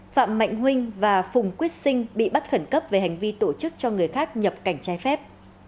phạm mạnh huynh và phùng quyết sinh bị bắt khẩn cấp về hành vi tổ chức cho người khác nhập cảnh trái phép